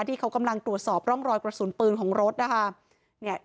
ที่เขากำลังตรวจสอบร่องรอยกระสุนปืนของรถนะคะ